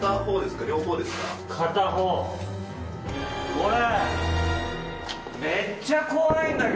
これ。